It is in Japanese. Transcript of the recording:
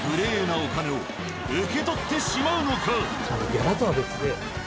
ギャラとは別で。